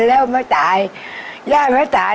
แล้วใครมาเจออ่ะพี่เมาท์